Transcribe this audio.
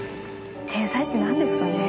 天才ってなんですかね？